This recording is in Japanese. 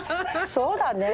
そうだねえ。